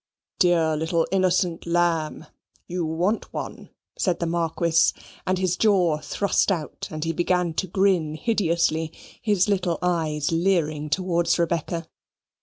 "Dear little innocent lamb, you want one," said the marquis; and his jaw thrust out, and he began to grin hideously, his little eyes leering towards Rebecca.